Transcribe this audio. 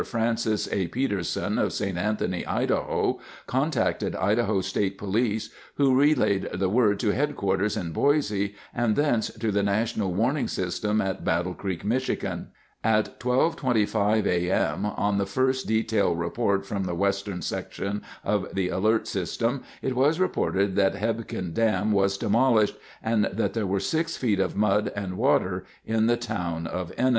Francis A. Peterson of St. Anthony, Idaho, contacted Idaho State Police, who relayed the word to HQ in Boise, and thence to the National Warning System at Battle Creek, Michigan. At 12:25 A. M. on the first detail report from the Western Section of the Alert System it was reported that Hebgen Dam was demolished and that there were 6 feet of mud and water at the town of Ennis.